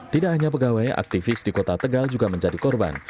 tidak hanya pegawai aktivis di kota tegal juga menjadi korban